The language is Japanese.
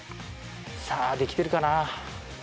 さあできてるかな？